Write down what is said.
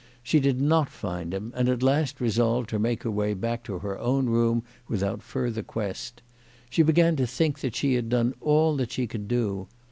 She did not find him, and at last resolved to make her way back to her own room without further quest. She began to think that she had done all that she could do.